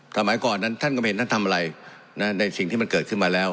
สมัยก่อนนั้นท่านก็ไม่เห็นท่านทำอะไรนะในสิ่งที่มันเกิดขึ้นมาแล้ว